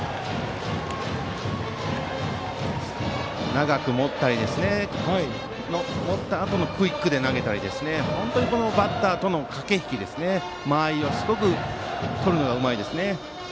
長く持ったり長く持ったあとにクイックで投げたり本当にバッターとの駆け引き間合いをとるのがすごくうまいです。